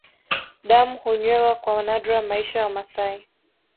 Damu hunywewa kwa nadra Maisha ya Wamasai